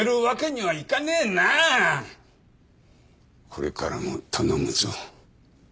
これからも頼むぞ